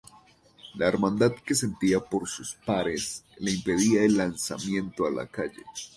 La hermandad que sentía por sus pares, le impedía el lanzamiento a la calle.